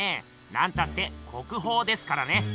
なんたって国宝ですからね。